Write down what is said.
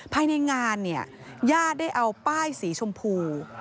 ภายในงานเนี่ยญาติได้เอาป้ายสีชมพู